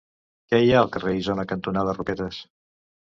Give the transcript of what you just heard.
Què hi ha al carrer Isona cantonada Roquetes?